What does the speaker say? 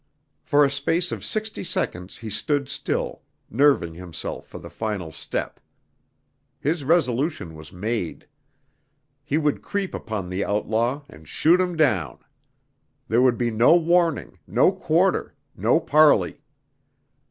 For a space of sixty seconds he stood still, nerving himself for the final step. His resolution was made. He would creep upon the outlaw and shoot him down. There would be no warning, no quarter, no parley.